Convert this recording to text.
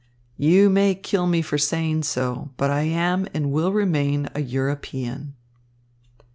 "You may kill me for saying so, but I am, and will remain, a European."